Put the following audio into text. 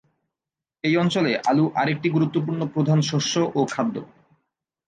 এই অঞ্চলে আলু আরেকটি গুরুত্বপূর্ণ প্রধান শস্য ও খাদ্য।